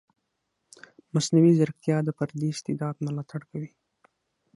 مصنوعي ځیرکتیا د فردي استعداد ملاتړ کوي.